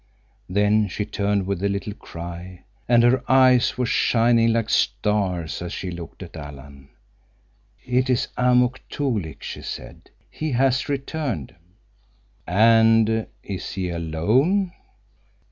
Then she turned with a little cry, and her eyes were shining like stars as she looked at Alan. "It is Amuk Toolik," she said. "He has returned." "And—is he alone?"